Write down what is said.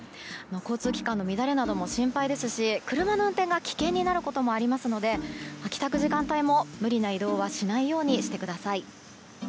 交通機関の乱れなども心配ですし車の運転が危険になることもありますので帰宅時間帯も無理な移動はしないようにしてください。